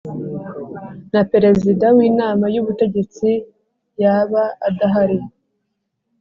na Perezida w Inama y Ubutegetsi yaba adahari